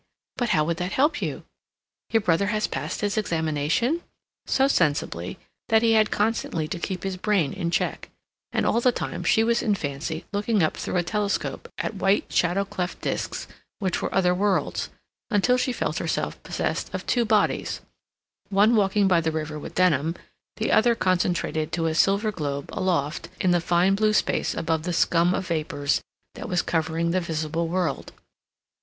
But how would that help you?... Your brother has passed his examination?" so sensibly, that he had constantly to keep his brain in check; and all the time she was in fancy looking up through a telescope at white shadow cleft disks which were other worlds, until she felt herself possessed of two bodies, one walking by the river with Denham, the other concentrated to a silver globe aloft in the fine blue space above the scum of vapors that was covering the visible world.